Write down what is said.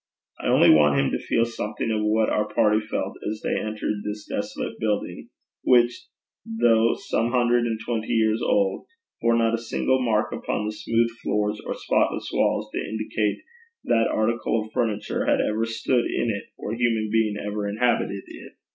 I only want him to feel something of what our party felt as they entered this desolate building, which, though some hundred and twenty years old, bore not a single mark upon the smooth floors or spotless walls to indicate that article of furniture had ever stood in it, or human being ever inhabited it.